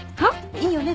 いいよね？